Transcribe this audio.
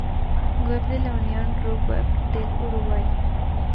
Web de la Unión de Rugby del Uruguay